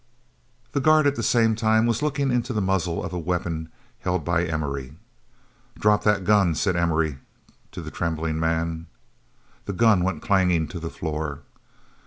The guard at the same time was looking into the muzzle of a weapon held by Emory. "Drop that gun," said Emory to the trembling man. The gun went clanging to the floor.